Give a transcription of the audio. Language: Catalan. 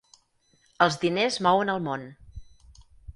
Els diners mouen el món.